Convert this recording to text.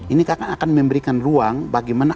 ini akan memberikan ruang bagaimana